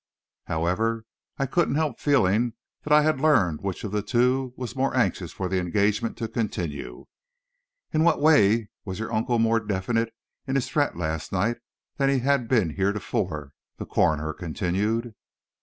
However, I couldn't help feeling that I had learned which of the two was more anxious for the engagement to continue. "In what way was your uncle more definite in his threat last night, than he had been heretofore?" the coroner continued.